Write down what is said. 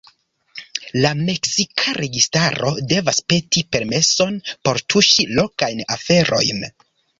La meksika registaro devas peti permeson por tuŝi lokajn aferojn.